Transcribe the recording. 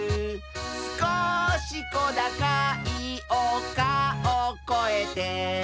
「すこしこだかいおかをこえて」